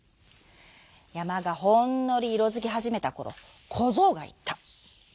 やまがほんのりいろづきはじめたころこぞうがいった。